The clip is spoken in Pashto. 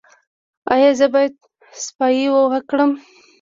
ایا زه باید صفايي وکړم؟